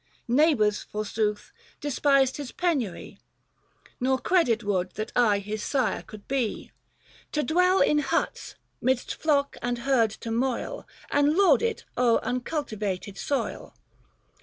' Neighbours, forsooth, despised his penury Nor credit would that I his sire could be. 74 THE FASTI. Book III. To dwell in huts, 'midst flock and herd to moil, 200 And lord it o'er uncultivated soil.